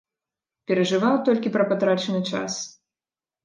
Перажываў толькі пра патрачаны час.